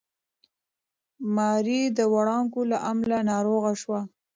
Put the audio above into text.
ماري د وړانګو له امله ناروغه شوه.